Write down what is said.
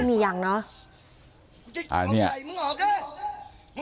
ไม่ใช่ไหม